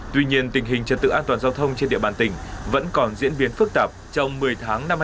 tuy nhiên tình hình trật tự an toàn giao thông trên địa bàn tỉnh vẫn còn diễn biến phức tạp trong một mươi tháng năm hai nghìn hai mươi ba